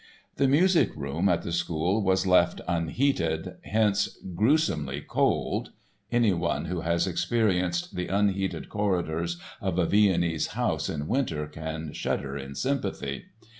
The music room at the school was left unheated, hence "gruesomely cold" (anyone who has experienced the unheated corridors of a Viennese house in winter can shudder in sympathy!).